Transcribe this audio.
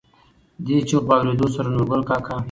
دې چېغو په اورېدو سره نورګل کاکا.